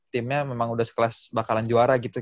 timnya memang udah sekelas bakalan juara gitu